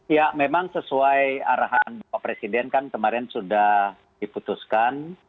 ya memang sesuai arahan bapak presiden kan kemarin sudah diputuskan